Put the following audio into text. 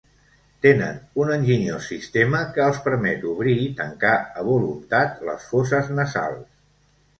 Tenen un enginyós sistema que els permet obrir i tancar, a voluntat, les fosses nasals.